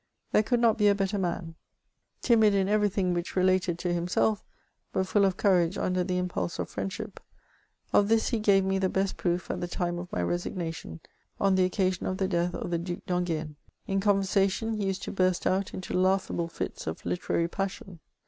There could not be a better man ; timid in every thing which related to himself, but full of courage under the impulse of fiiendship ; of this he gave me the best proof at the time of my resigna tion, on the occasion of the death of the Due d'Enghien. In conversation he used to burst out into laughable fits of literary passion.